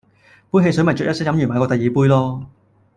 杯汽水咪啅一聲飲完買過第二杯囉